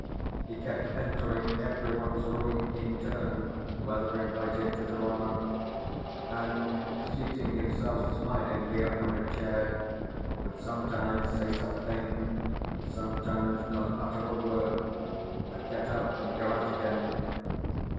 He kept entering everyone's room in turn (whether invited thither or not), and, seating himself smilingly upon a chair, would sometimes say something, and sometimes not utter a word, but get up and go out again.